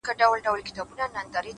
نن مي بيا پنـځه چيلمه ووهـل ـ